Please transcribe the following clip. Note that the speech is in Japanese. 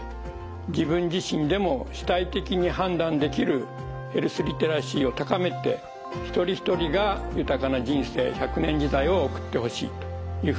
自分自身でも主体的に判断できるヘルスリテラシーを高めて一人一人が豊かな人生１００年時代を送ってほしいというふうに思います。